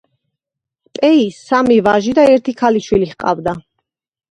პეის სამი ვაჟი და ერთი ქალიშვილი ჰყავდა.